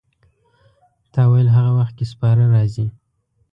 تا ویل هغه وخت کې سپاره راځي.